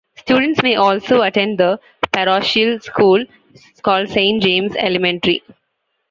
Students may also attend the parochial school called Saint James Elementary.